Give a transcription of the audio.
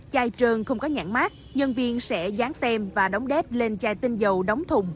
chai trơn không có nhãn mát nhân viên sẽ dán tem và đóng đét lên chai tinh dầu đóng thùng